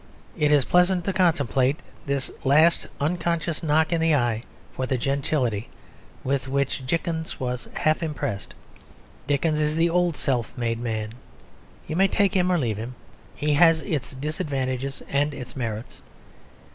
It is pleasant to contemplate this last unconscious knock in the eye for the gentility with which Dickens was half impressed. Dickens is the old self made man; you may take him or leave him. He has its disadvantages and its merits.